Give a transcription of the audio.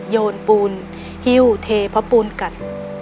โยนปูนหิ้วเทพระปูนกัด